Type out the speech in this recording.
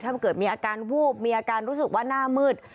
ถ้าเกิดมีอาการวูบมีอาการรู้สึกว่าหน้ามืด